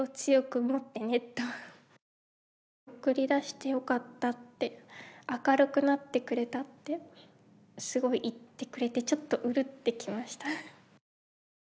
「送り出してよかった」って「明るくなってくれた」ってすごく言ってくれてちょっとうるってきました。